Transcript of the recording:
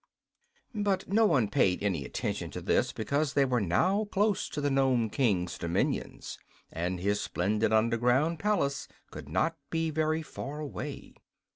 But no one paid any attention to this because they were now close to the Nome King's dominions, and his splendid underground palace could not be very far away.